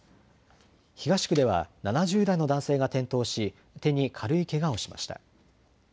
東区では７０代の男性が転倒し、手に軽いけがをしました。